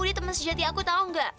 dia temen sejati aku tau nggak